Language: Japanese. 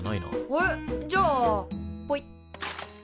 えっじゃあポイッ。